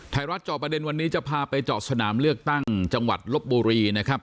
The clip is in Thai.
เจาะประเด็นวันนี้จะพาไปเจาะสนามเลือกตั้งจังหวัดลบบุรีนะครับ